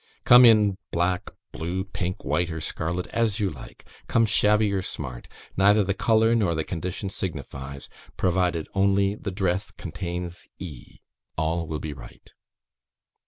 Come in black, blue, pink, white, or scarlet, as you like. Come shabby or smart, neither the colour nor the condition signifies; provided only the dress contain E , all will be right."